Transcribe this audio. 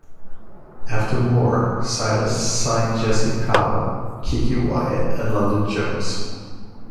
After Moore, Silas signed Jesse Powell, Keke Wyatt, and London Jones.